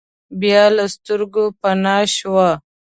بیا له سترګو پناه شوه.